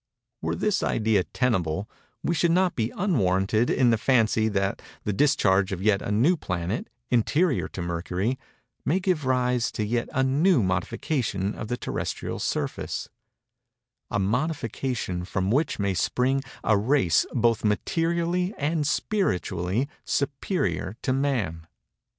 Were this idea tenable, we should not be unwarranted in the fancy that the discharge of yet a new planet, interior to Mercury, may give rise to yet a new modification of the terrestrial surface—a modification from which may spring a race both materially and spiritually superior to Man.